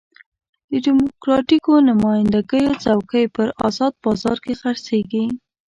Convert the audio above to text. د ډیموکراتیکو نماینده ګیو څوکۍ په ازاد بازار کې خرڅېږي.